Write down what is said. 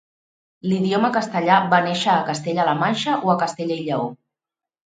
L'idioma castellà va néixer a Castella-la Manxa o Castella i Lleó?